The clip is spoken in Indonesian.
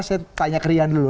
saya tanya ke rian dulu